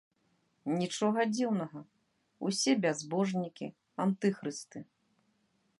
Нічога дзіўнага, усе бязбожнікі, антыхрысты.